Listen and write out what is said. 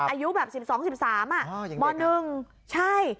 อายุแบบ๑๒๑๓อ่ะมหนึ่งใช่